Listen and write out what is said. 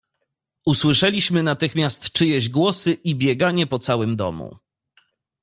"Usłyszeliśmy natychmiast czyjeś głosy i bieganie po całym domu."